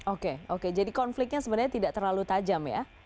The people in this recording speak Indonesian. oke oke jadi konfliknya sebenarnya tidak terlalu tajam ya